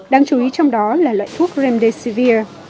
đáng chú ý trong đó là loại thuốc remdesivir